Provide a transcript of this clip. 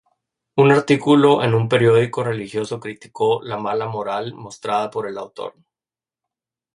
Un artículo en un periódico religioso criticó ´la mala moral mostrada por el autor.